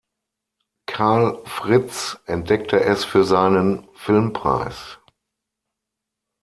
Karl Fritz entdeckte es für seinen Filmpreis.